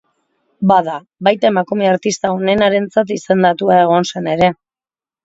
Bada, baita emakume artista onenarentzat izendatua egon zen ere.